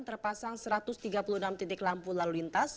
terpasang satu ratus tiga puluh enam titik lampu lalu lintas